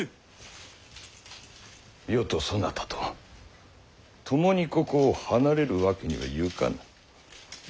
余とそなたとともにここを離れるわけにはゆかぬ。